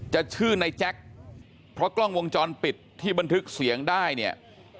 จะชื่อในแจ็คเพราะกล้องวงจรปิดที่บันทึกเสียงได้เนี่ย